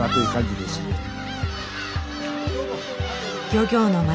漁業の町